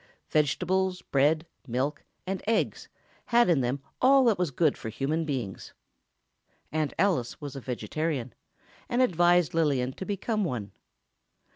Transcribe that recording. Vegetables, bread, milk and eggs had in them all that was good for human beings. Aunt Alice was a vegetarian, and advised Lillian to become one.